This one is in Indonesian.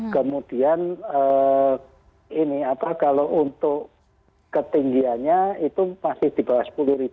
kemudian ini apa kalau untuk ketinggiannya itu masih di bawah sepuluh